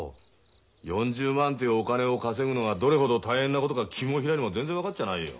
４０万っていうお金を稼ぐのがどれほど大変なことか君もひらりも全然分かっちゃないよ。